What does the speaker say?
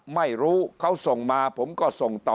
ไม่รู้เขาส่งมาผมก็ส่งต่อ